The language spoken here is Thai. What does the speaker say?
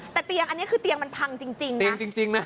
แต่เตียงอันนี้คือเตียงมันพังจริงนะ